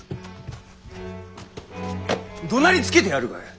どなりつけてやるがよい！